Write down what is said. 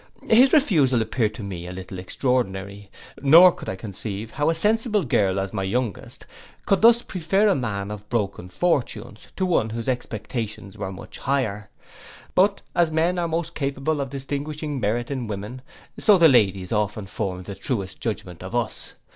His refusal appeared to me a little extraordinary, nor could I conceive how so sensible a girl as my youngest, could thus prefer a man of broken fortunes to one whose expectations were much greater. But as men are most capable of distinguishing merit in women, so the ladies often form the truest judgments of us.